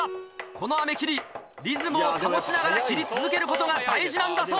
この飴切りリズムを保ちながら切り続けることが大事なんだそう。